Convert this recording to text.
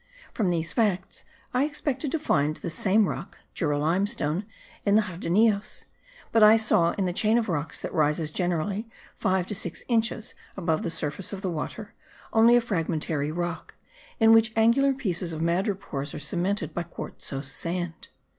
From these facts I expected to find the same rock (Jura limestone) in the Jardinillos: but I saw, in the chain of rocks that rises generally five to six inches above the surface of the water, only a fragmentary rock, in which angular pieces of madrepores are cemented by quartzose sand.